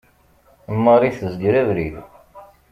Marie tezger abrid.